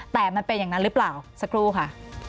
แต่มันเป็นอย่างนั้นหรือเปล่าสักครู่ค่ะ